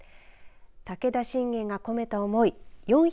武田信玄が込めた思い